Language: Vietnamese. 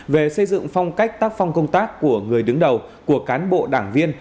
về xây dựng phong cách tác phong công tác của người đứng đầu của cán bộ đảng viên